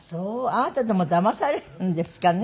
あなたでもだまされるんですかね。